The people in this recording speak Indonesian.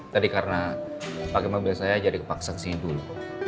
jadi karena pakai mobil saya jadi kepaksa ke sana dulu